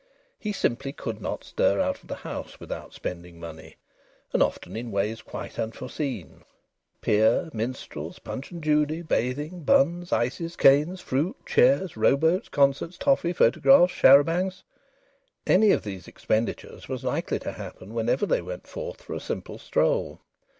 He simply could not stir out of the house without spending money, and often in ways quite unforeseen. Pier, minstrels, Punch and Judy, bathing, buns, ices, canes, fruit, chairs, row boats, concerts, toffee, photographs, char à bancs: any of these expenditures was likely to happen whenever they went forth for a simple stroll.